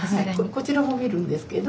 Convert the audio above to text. こちらも見るんですけど。